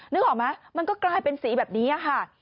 นึกออกไหมมันก็กลายเป็นสีแบบนี้ค่ะ